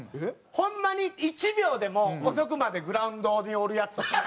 ホンマに１秒でも遅くまでグラウンドにおるヤツとか。